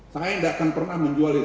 saya enggak akan pernah menjualnya